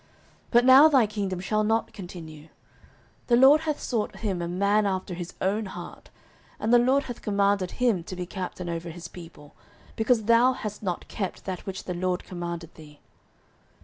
09:013:014 But now thy kingdom shall not continue: the LORD hath sought him a man after his own heart, and the LORD hath commanded him to be captain over his people, because thou hast not kept that which the LORD commanded thee.